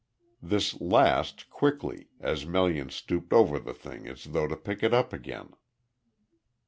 This last quickly, as Melian stooped over the thing as though to pick it up again.